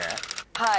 はい。